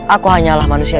aku hanyalah manusia